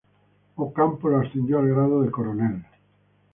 Ocampo lo ascendió al grado de coronel.